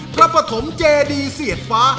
ปฐมเจดีเสียดฟ้า